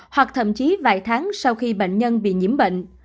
hoặc thậm chí vài tháng sau khi bệnh nhân bị nhiễm bệnh